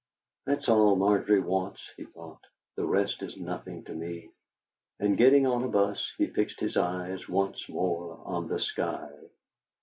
'.hat's all Margery wants,' he thought; 'the rest is nothing to me,' and, getting on a bus, he fixed his eyes once more on the sky.